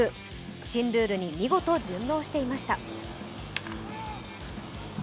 新ルールに、見事順応していました。